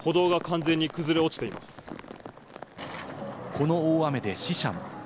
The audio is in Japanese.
この大雨で死者も。